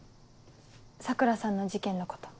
桜さんの事件のこと。